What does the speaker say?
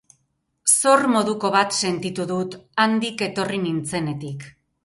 Zor moduko bat sentitu dut, handik etorri nintzenetik.